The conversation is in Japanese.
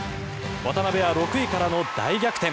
渡辺は６位からの大逆転。